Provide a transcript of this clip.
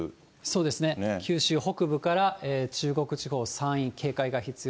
そうですね、九州北部から中国地方、山陰、警戒が必要。